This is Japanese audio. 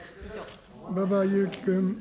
馬場雄基君。